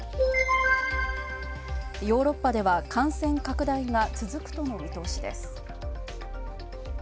ヨーロッパでは、感染拡大が続くとの見通しです。